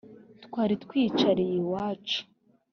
twari twiyicariye iwacu